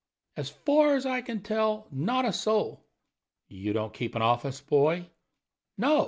"As far as I can tell, not a soul." "You don't keep an office boy?" "No.